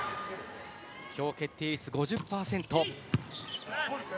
今日、決定率５０％。